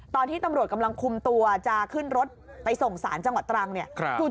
ตอนที่ตำรวจกำลังคุมตัวจะขึ้นรถไปส่งสารจังหวัดตรังเนี่ย